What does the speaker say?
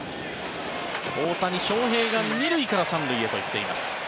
大谷翔平が２塁から３塁へと行っています。